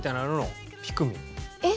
えっ？